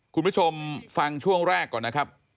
คุณผู้ชมฟังช่วงแรกก่อนนะครับ